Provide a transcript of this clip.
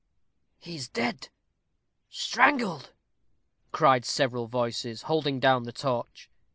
"He is dead strangled," cried several voices, holding down the torch.